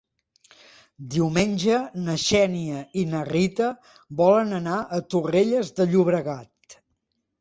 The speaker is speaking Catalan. Diumenge na Xènia i na Rita volen anar a Torrelles de Llobregat.